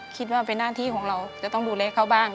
คิดว่าเป็นหน้าที่ของเราจะต้องดูแลเขาบ้าง